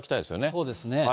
そうですね。